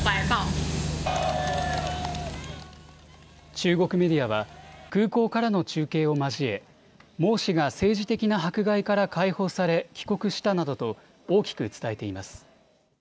中国メディアは空港からの中継を交え孟氏が政治的な迫害から解放され帰国したなどと大きく伝えています。